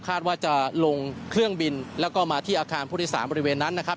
ว่าจะลงเครื่องบินแล้วก็มาที่อาคารผู้โดยสารบริเวณนั้นนะครับ